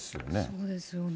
そうですよね。